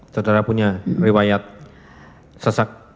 saudara punya riwayat sesek